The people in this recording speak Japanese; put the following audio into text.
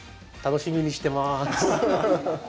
楽しみにしてます。